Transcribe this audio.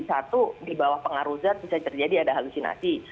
satu di bawah pengaruh zat bisa terjadi ada halusinasi